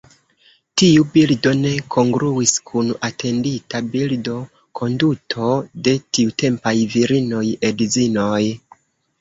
Tiu bildo ne kongruis kun atendita bildo, konduto de tiutempaj virinoj, edzinoj.